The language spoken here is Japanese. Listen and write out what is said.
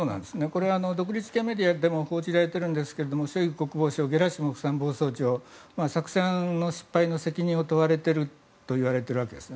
これは独立系メディアでも報じられているんですがショイグ国防相ゲラシモフ参謀総長作戦の失敗の責任を問われているといわれているわけです。